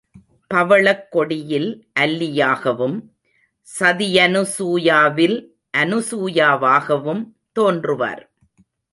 பவளக்கொடியில் அல்லியாகவும், சதியனுசூயாவில் அனுசூயாவாகவும் தோன்றுவார்.